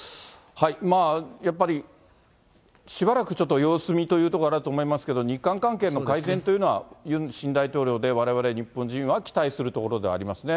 まあ、やっぱり、しばらくちょっと様子見というところがあると思いますけれども、日韓関係の改善というのはユン新大統領でわれわれ日本人は期待するところではありますね。